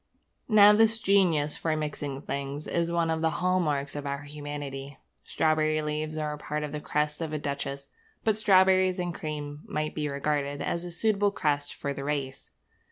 Now this genius for mixing things is one of the hall marks of our humanity. Strawberry leaves are part of the crest of a duchess; but strawberries and cream might be regarded as a suitable crest for the race.